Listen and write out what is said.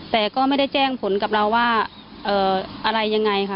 แต่ก็ไม่ได้แจ้งผลกับเราว่าอะไรยังไงค่ะ